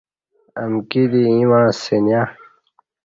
امکی دی ییں مع سنیہ